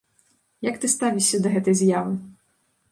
Як ты ставішся да гэтай з'явы?